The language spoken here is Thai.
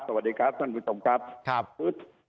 สวัสดีครับท่านผู้ชมครับครับปุ๊บ